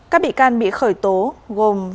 các bị can bị khởi tố gồm